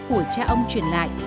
của cha ông truyền lại